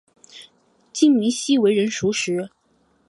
金珉锡为人熟识。